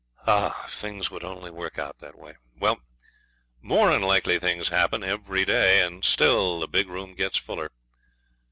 Ah! if things would only work out that way. Well, more unlikely things happen every day. And still the big room gets fuller.